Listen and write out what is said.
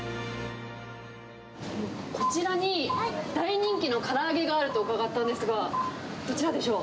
こちらに、大人気のから揚げがあると伺ったんですが、どちらでしょう？